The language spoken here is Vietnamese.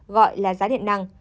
gọi là giá điện năng